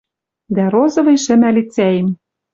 Дӓ розовый шӹмӓ лицӓэм